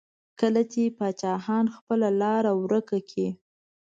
کله چې پاچاهان خپله لاره ورکه کړي.